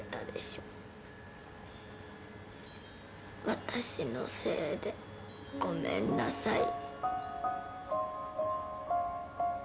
私のせいでごめんなさい。